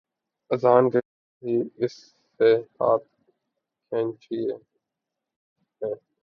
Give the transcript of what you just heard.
اذان کے ساتھ ہی اس سے ہاتھ کھینچتے ہیں